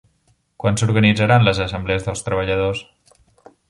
Quan s'organitzaran les assemblees dels treballadors?